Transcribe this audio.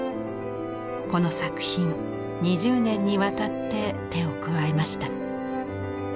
この作品２０年にわたって手を加えました。